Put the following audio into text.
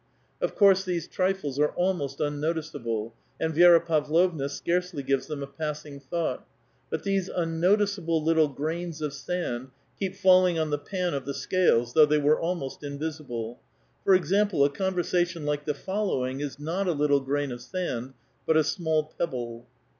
Of C20urse these trifles are almost un noticeable, and Vi^ra Pav Lovna scarcely gives them a passing thought; but these unno fciceable little grains of sand keep falling on the pan of the ^ca.les, though they were almost invisible. For example, a conversation like the following is not a little grain of sand, but a small pebble.